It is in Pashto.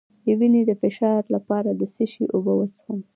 د وینې د فشار لپاره د څه شي اوبه وڅښم؟